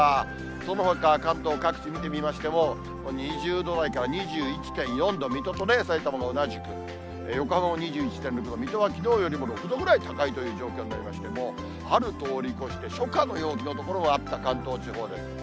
そのほか、関東各地見てみましても、２０度か、２１．４度、水戸とさいたまも同じく、横浜も２１．６度、水戸はきのうよりも６度くらい高いという状況になりまして、もう春通り越して、初夏の陽気の所もあった関東地方です。